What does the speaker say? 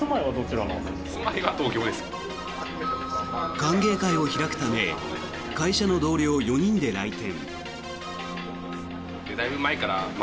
歓迎会を開くため会社の同僚４人で来店。